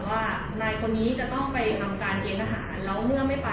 ว่านายคนนี้คงจำการเกณฑ์ทะหารเมื่อไม่ไป